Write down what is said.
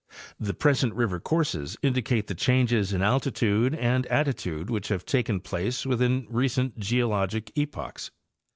The present river courses indicate the changes in altitude and attitude which have taken place within recent geologic epochs.